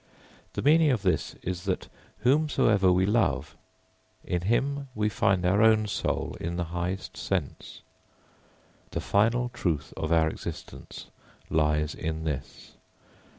] The meaning of this is, that whomsoever we love, in him we find our own soul in the highest sense. The final truth of our existence lies in this.